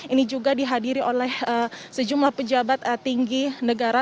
ini juga dihadiri oleh sejumlah pejabat tinggi negara